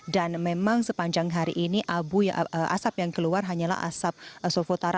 dan memang sepanjang hari ini asap yang keluar hanyalah asap sovotara